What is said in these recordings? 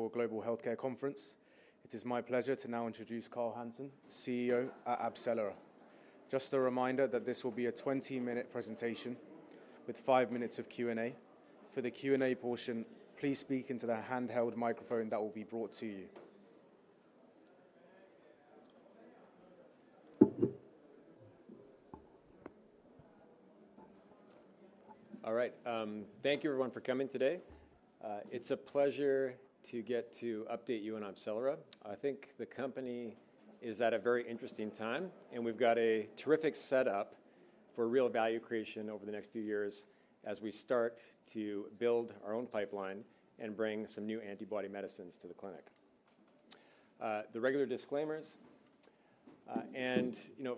[Before] Global Healthcare Conference, it is my pleasure to now introduce Carl Hansen, CEO at AbCellera. Just a reminder that this will be a 20-minute presentation with five minutes of Q&A. For the Q&A portion, please speak into the handheld microphone that will be brought to you. All right, thank you, everyone, for coming today. It's a pleasure to get to update you on AbCellera. I think the company is at a very interesting time, and we've got a terrific setup for real value creation over the next few years as we start to build our own pipeline and bring some new antibody medicines to the clinic. The regular disclaimers, and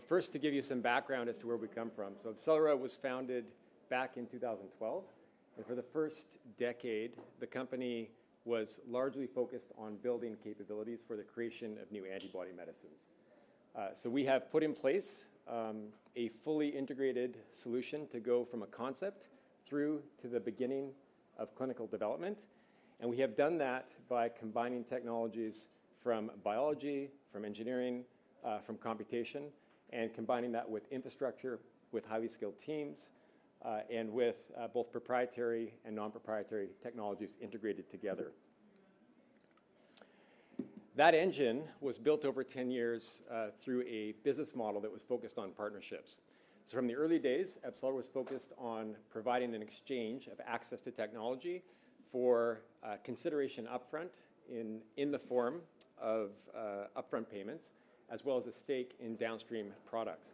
first, to give you some background as to where we come from. So AbCellera was founded back in 2012, and for the first decade, the company was largely focused on building capabilities for the creation of new antibody medicines. So we have put in place a fully integrated solution to go from a concept through to the beginning of clinical development, and we have done that by combining technologies from biology, from engineering, from computation, and combining that with infrastructure, with highly skilled teams, and with both proprietary and non-proprietary technologies integrated together. That engine was built over 10 years through a business model that was focused on partnerships. So from the early days, AbCellera was focused on providing an exchange of access to technology for consideration upfront in the form of upfront payments, as well as a stake in downstream products.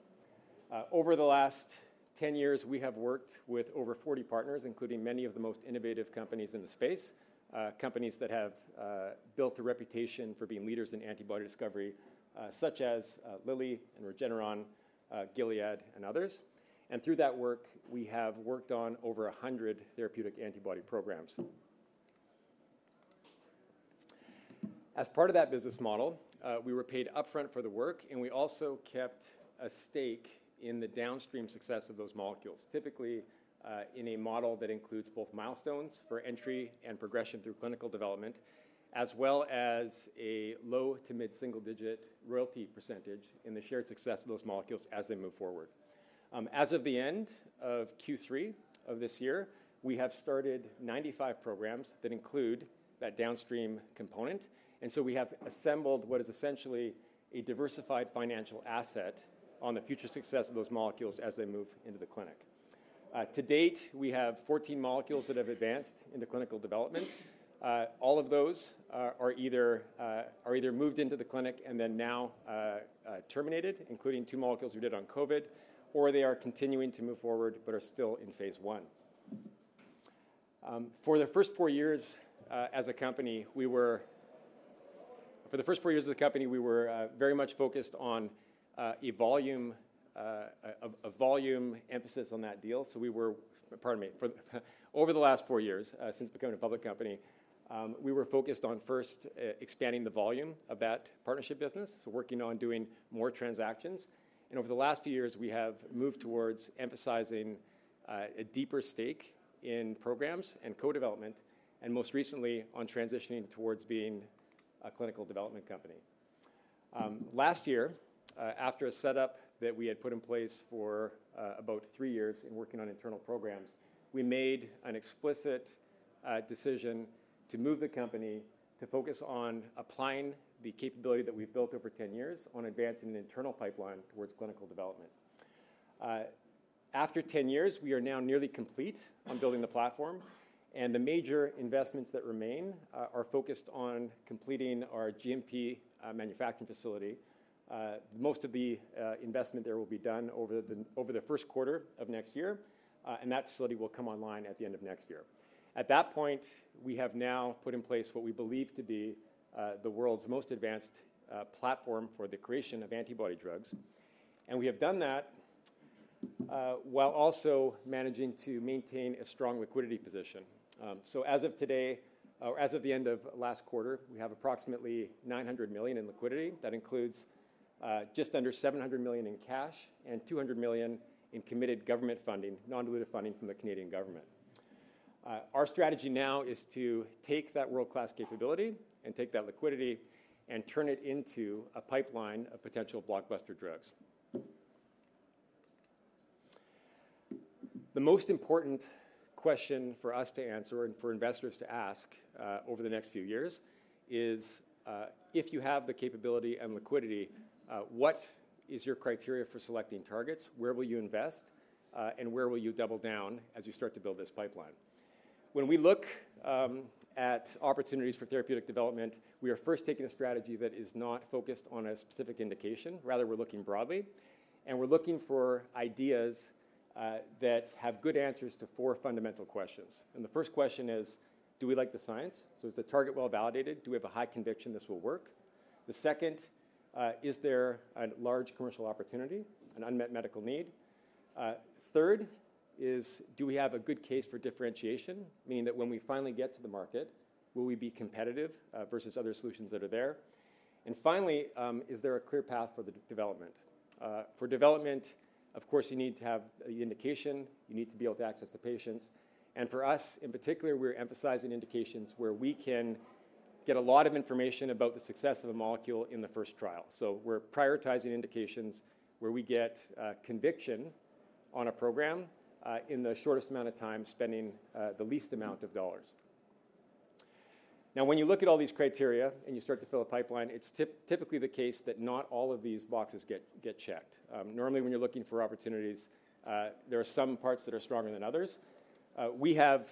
Over the last 10 years, we have worked with over 40 partners, including many of the most innovative companies in the space, companies that have built a reputation for being leaders in antibody discovery, such as Lilly and Regeneron, Gilead, and others. Through that work, we have worked on over 100 therapeutic antibody programs. As part of that business model, we were paid upfront for the work, and we also kept a stake in the downstream success of those molecules, typically in a model that includes both milestones for entry and progression through clinical development, as well as a low to mid-single-digit royalty percentage in the shared success of those molecules as they move forward. As of the end of Q3 of this year, we have started 95 programs that include that downstream component, and so we have assembled what is essentially a diversified financial asset on the future success of those molecules as they move into the clinic. To date, we have 14 molecules that have advanced in the clinical development. All of those are either moved into the clinic and then now terminated, including two molecules we did on COVID, or they are continuing to move forward but are still in phase I. For the first four years as a company, we were very much focused on a volume emphasis on that deal. So we were, pardon me, over the last four years, since becoming a public company, we were focused on first expanding the volume of that partnership business, so working on doing more transactions. And over the last few years, we have moved towards emphasizing a deeper stake in programs and co-development, and most recently on transitioning towards being a clinical development company. Last year, after a setup that we had put in place for about three years and working on internal programs, we made an explicit decision to move the company to focus on applying the capability that we've built over 10 years on advancing an internal pipeline towards clinical development. After 10 years, we are now nearly complete on building the platform, and the major investments that remain are focused on completing our GMP manufacturing facility. Most of the investment there will be done over the first quarter of next year, and that facility will come online at the end of next year. At that point, we have now put in place what we believe to be the world's most advanced platform for the creation of antibody drugs, and we have done that while also managing to maintain a strong liquidity position. So as of today, or as of the end of last quarter, we have approximately $900 million in liquidity. That includes just under $700 million in cash and $200 million in committed government funding, non-dilutive funding from the Canadian government. Our strategy now is to take that world-class capability and take that liquidity and turn it into a pipeline of potential blockbuster drugs. The most important question for us to answer and for investors to ask over the next few years is, if you have the capability and liquidity, what is your criteria for selecting targets? Where will you invest, and where will you double down as you start to build this pipeline? When we look at opportunities for therapeutic development, we are first taking a strategy that is not focused on a specific indication. Rather, we're looking broadly, and we're looking for ideas that have good answers to four fundamental questions. And the first question is, do we like the science? So is the target well validated? Do we have a high conviction this will work? The second, is there a large commercial opportunity, an unmet medical need? Third is, do we have a good case for differentiation, meaning that when we finally get to the market, will we be competitive versus other solutions that are there? And finally, is there a clear path for the development? For development, of course, you need to have the indication. You need to be able to access the patients. And for us, in particular, we're emphasizing indications where we can get a lot of information about the success of a molecule in the first trial. We're prioritizing indications where we get conviction on a program in the shortest amount of time, spending the least amount of dollars. Now, when you look at all these criteria and you start to fill a pipeline, it's typically the case that not all of these boxes get checked. Normally, when you're looking for opportunities, there are some parts that are stronger than others. We have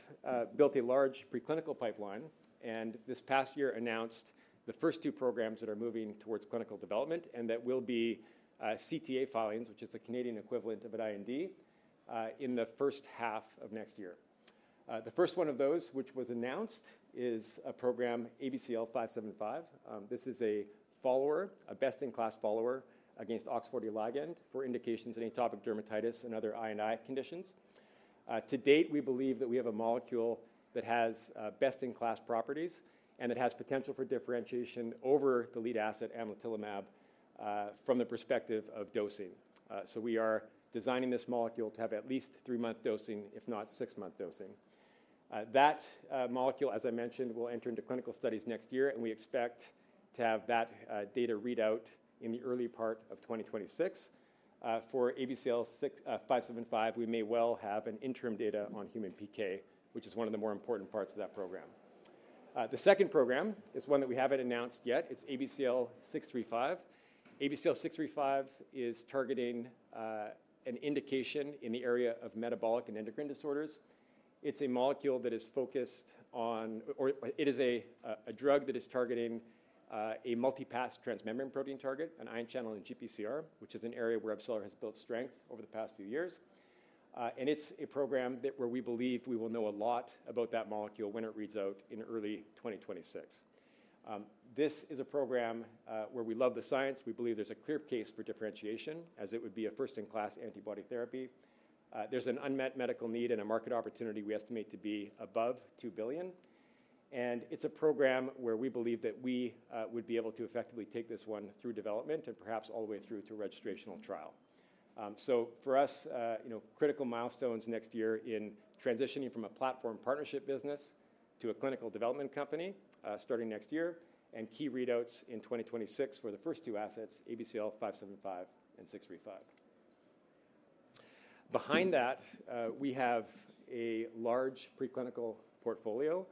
built a large preclinical pipeline, and this past year announced the first two programs that are moving towards clinical development, and that will be CTA filings, which is the Canadian equivalent of an IND, in the first half of next year. The first one of those, which was announced, is a program, ABCL575. This is a follower, a best-in-class follower against OX40 ligand for indications of atopic dermatitis and other I&I conditions. To date, we believe that we have a molecule that has best-in-class properties and that has potential for differentiation over the lead asset, amlitelimab, from the perspective of dosing. So we are designing this molecule to have at least three-month dosing, if not six-month dosing. That molecule, as I mentioned, will enter into clinical studies next year, and we expect to have that data readout in the early part of 2026. For ABCL575, we may well have an interim data on human PK, which is one of the more important parts of that program. The second program is one that we haven't announced yet. It's ABCL635. ABCL635 is targeting an indication in the area of metabolic and endocrine disorders. It's a molecule that is focused on, or it is a drug that is targeting a multipass transmembrane protein target, an ion channel and GPCR, which is an area where AbCellera has built strength over the past few years. It's a program where we believe we will know a lot about that molecule when it reads out in early 2026. This is a program where we love the science. We believe there's a clear case for differentiation, as it would be a first-in-class antibody therapy. There's an unmet medical need and a market opportunity we estimate to be above $2 billion. It's a program where we believe that we would be able to effectively take this one through development and perhaps all the way through to registrational trial. So for us, critical milestones next year in transitioning from a platform partnership business to a clinical development company starting next year, and key readouts in 2026 for the first two assets, ABCL575 and ABCL635. Behind that, we have a large preclinical portfolio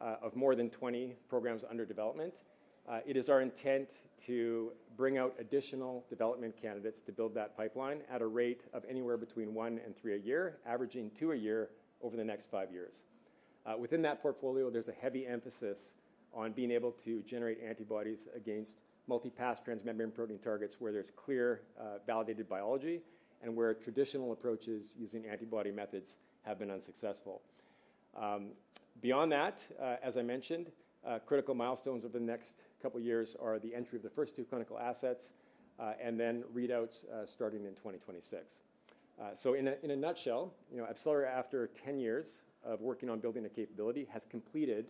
of more than 20 programs under development. It is our intent to bring out additional development candidates to build that pipeline at a rate of anywhere between one and three a year, averaging two a year over the next five years. Within that portfolio, there's a heavy emphasis on being able to generate antibodies against multipass transmembrane protein targets where there's clear validated biology and where traditional approaches using antibody methods have been unsuccessful. Beyond that, as I mentioned, critical milestones over the next couple of years are the entry of the first two clinical assets and then readouts starting in 2026. In a nutshell, AbCellera, after 10 years of working on building a capability, has completed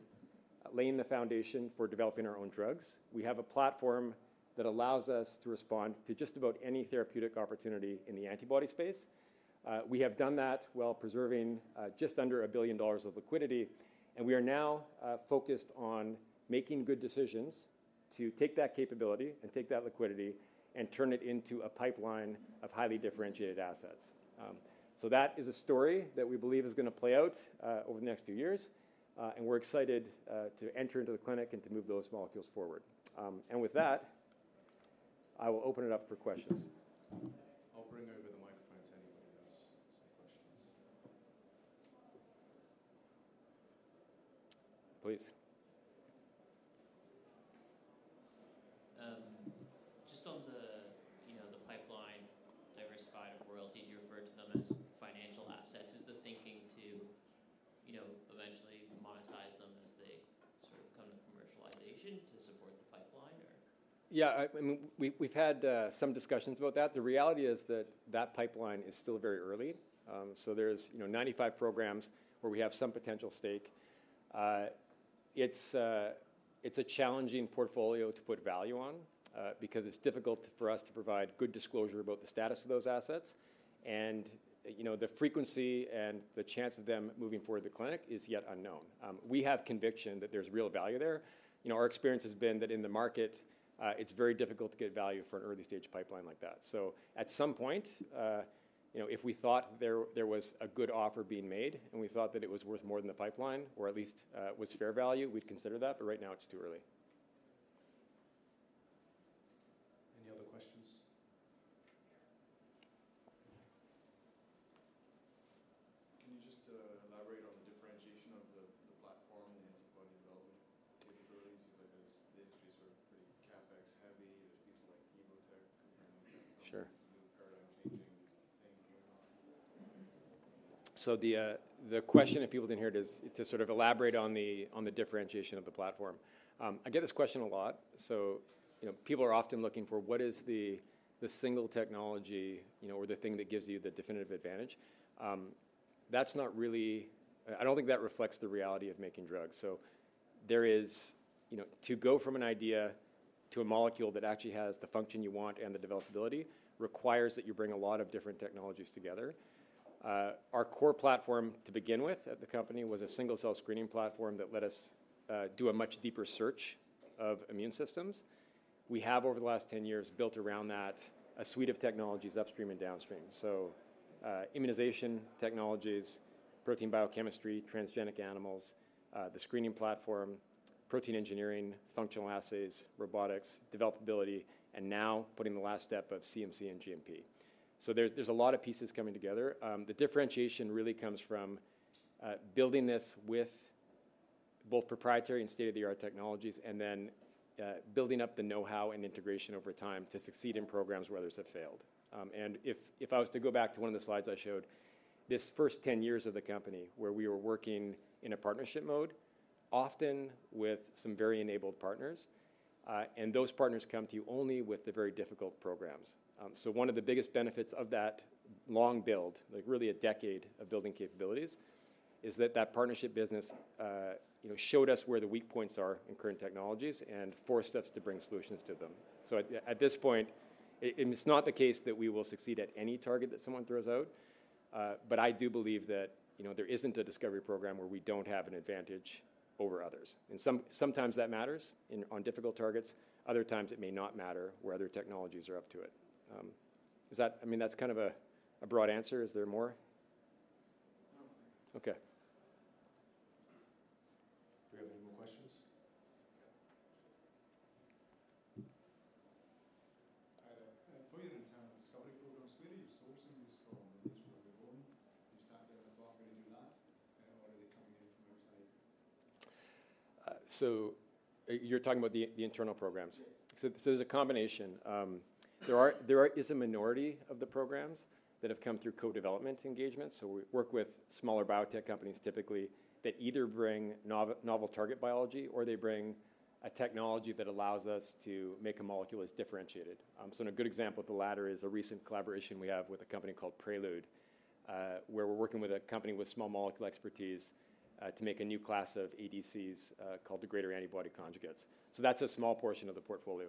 laying the foundation for developing our own drugs. We have a platform that allows us to respond to just about any therapeutic opportunity in the antibody space. We have done that while preserving just under $1 billion of liquidity, and we are now focused on making good decisions to take that capability and take that liquidity and turn it into a pipeline of highly differentiated assets. That is a story that we believe is going to play out over the next few years, and we're excited to enter into the clinic and to move those molecules forward. With that, I will open it up for questions. I'll bring over the microphone to anybody else with questions. Please. Just on the pipeline diversification of royalties, you referred to them as financial assets. Is the thinking to eventually monetize them as they sort of come to commercialization to support the pipeline? Yeah, we've had some discussions about that. The reality is that that pipeline is still very early. So there's 95 programs where we have some potential stake. It's a challenging portfolio to put value on because it's difficult for us to provide good disclosure about the status of those assets, and the frequency and the chance of them moving forward to the clinic is yet unknown. We have conviction that there's real value there. Our experience has been that in the market, it's very difficult to get value for an early-stage pipeline like that. So at some point, if we thought there was a good offer being made and we thought that it was worth more than the pipeline, or at least was fair value, we'd consider that, but right now it's too early. Any other questions? Can you just elaborate on the differentiation of the platform and the antibody development capabilities? The industry is sort of pretty CapEx-heavy. There's people like Evotec comparing that to some new paradigm-changing thing going on. So the question, if people didn't hear it, is to sort of elaborate on the differentiation of the platform. I get this question a lot. So people are often looking for what is the single technology or the thing that gives you the definitive advantage. That's not really, I don't think, that reflects the reality of making drugs. So there is to go from an idea to a molecule that actually has the function you want and the developability requires that you bring a lot of different technologies together. Our core platform to begin with at the company was a single-cell screening platform that let us do a much deeper search of immune systems. We have, over the last 10 years, built around that a suite of technologies upstream and downstream. So, immunization technologies, protein biochemistry, transgenic animals, the screening platform, protein engineering, functional assays, robotics, developability, and now putting the last step of CMC and GMP. So, there's a lot of pieces coming together. The differentiation really comes from building this with both proprietary and state-of-the-art technologies and then building up the know-how and integration over time to succeed in programs where others have failed. And if I was to go back to one of the slides I showed, this first 10 years of the company where we were working in a partnership mode, often with some very enabled partners, and those partners come to you only with the very difficult programs. One of the biggest benefits of that long build, like really a decade of building capabilities, is that that partnership business showed us where the weak points are in current technologies and forced us to bring solutions to them. So at this point, it's not the case that we will succeed at any target that someone throws out, but I do believe that there isn't a discovery program where we don't have an advantage over others. And sometimes that matters on difficult targets. Other times, it may not matter where other technologies are up to it. I mean, that's kind of a broad answer. Is there more? No. Okay. Do we have any more questions? For your internal discovery programs, where are you sourcing this from? Are they from your own? You sat there and thought, "We're going to do that," or are they coming in from outside? You're talking about the internal programs? Yes. So there's a combination. There is a minority of the programs that have come through co-development engagements. So we work with smaller biotech companies typically that either bring novel target biology or they bring a technology that allows us to make a molecule as differentiated. So a good example of the latter is a recent collaboration we have with a company called Prelude where we're working with a company with small molecule expertise to make a new class of ADCs called degrader antibody conjugates. So that's a small portion of the portfolio.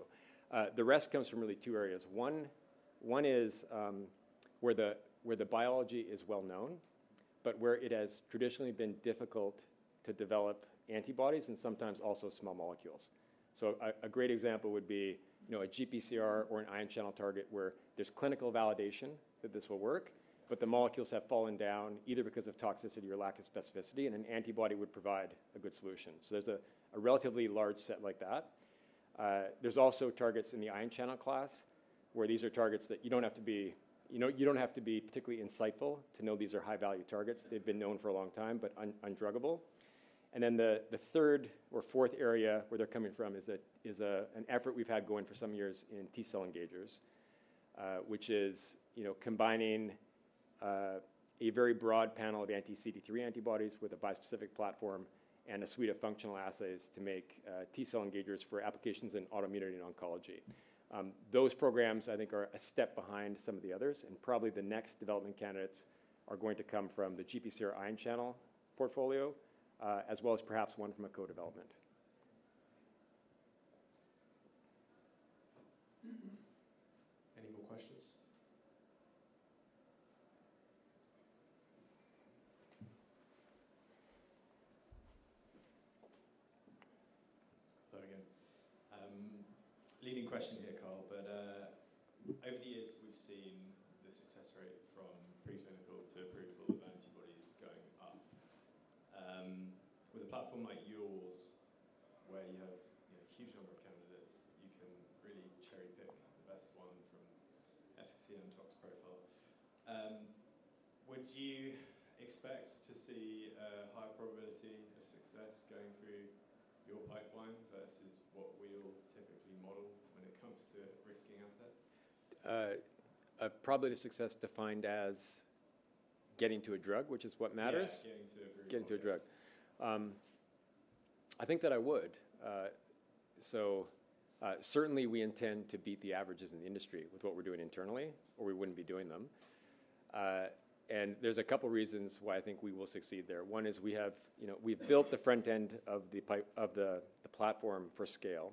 The rest comes from really two areas. One is where the biology is well known, but where it has traditionally been difficult to develop antibodies and sometimes also small molecules. A great example would be a GPCR or an ion channel target where there's clinical validation that this will work, but the molecules have fallen down either because of toxicity or lack of specificity, and an antibody would provide a good solution. So there's a relatively large set like that. There's also targets in the ion channel class where these are targets that you don't have to be particularly insightful to know these are high-value targets. They've been known for a long time, but undruggable. And then the third or fourth area where they're coming from is an effort we've had going for some years in T-cell engagers, which is combining a very broad panel of anti-CD3 antibodies with a bispecific platform and a suite of functional assays to make T-cell engagers for applications in autoimmunity and oncology. Those programs, I think, are a step behind some of the others, and probably the next development candidates are going to come from the GPCR ion channel portfolio, as well as perhaps one from a co-development. Any more questions? Hello again. Leading question here, Carl, but over the years, we've seen the success rate from preclinical to approval of antibodies going up. With a platform like yours, where you have a huge number of candidates, you can really cherry-pick the best one from efficacy and tox profile. Would you expect to see a higher probability of success going through your pipeline versus what we'll typically model when it comes to risking assets? Probably the success defined as getting to a drug, which is what matters. Yeah, getting to a drug. Getting to a drug, I think that I would, so certainly, we intend to beat the averages in the industry with what we're doing internally, or we wouldn't be doing them, and there's a couple of reasons why I think we will succeed there. One is we have built the front end of the platform for scale,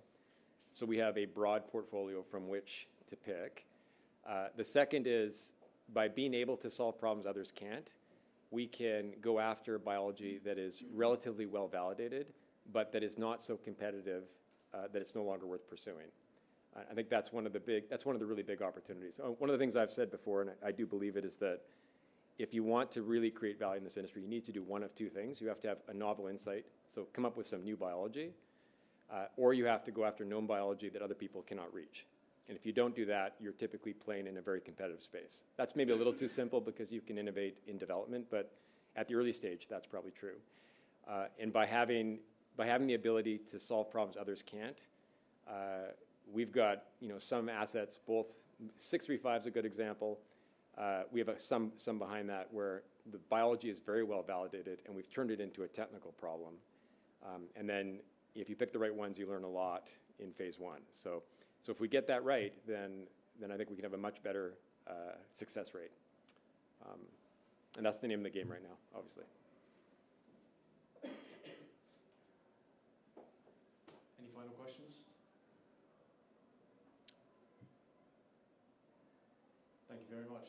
so we have a broad portfolio from which to pick. The second is by being able to solve problems others can't, we can go after biology that is relatively well validated, but that is not so competitive that it's no longer worth pursuing. I think that's one of the really big opportunities. One of the things I've said before, and I do believe it, is that if you want to really create value in this industry, you need to do one of two things. You have to have a novel insight, so come up with some new biology, or you have to go after known biology that other people cannot reach, and if you don't do that, you're typically playing in a very competitive space. That's maybe a little too simple because you can innovate in development, but at the early stage, that's probably true, and by having the ability to solve problems others can't, we've got some assets, both 635 is a good example. We have some behind that where the biology is very well validated, and we've turned it into a technical problem, and then if you pick the right ones, you learn a lot in phase I, so if we get that right, then I think we can have a much better success rate, and that's the name of the game right now, obviously. Any final questions? Thank you very much.